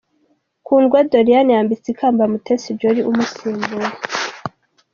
Kundwa Doriane yambitse ikamba Mutesi Jolly umusimbuye